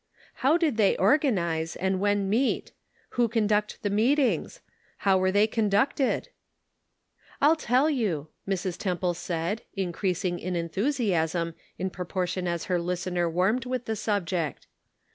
How did they organize, and when meet ? Who conduct the meetings ? How were they conducted ? "I'll tell you," Mrs. Temple said, increasing Subtle Distinctions. 147 in enthusiasm in proportion as her listener warmed with the subject.